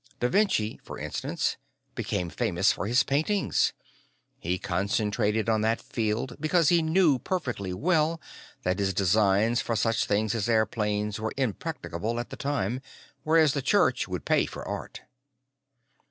Da Vinci, for instance, became famous for his paintings; he concentrated on that field because he knew perfectly well that his designs for such things as airplanes were impracticable at the time, whereas the Church would pay for art.